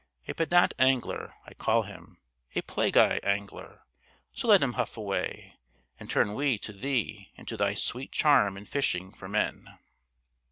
A pedant angler, I call him, a plaguy angler, so let him huff away, and turn we to thee and to thy sweet charm in fishing for men.